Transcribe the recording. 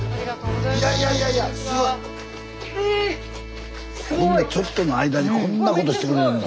スタジオちょっとの間にこんなことしてくれるの。